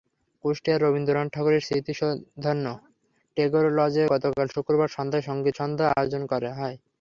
কুষ্টিয়ায় রবীন্দ্রনাথ ঠাকুরের স্মৃতিধন্য টেগোর লজে গতকাল শুক্রবার সন্ধ্যায় সংগীতসন্ধ্যার আয়োজন করা হয়।